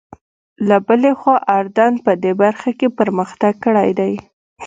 له بلې خوا اردن په دې برخه کې پرمختګ کړی دی.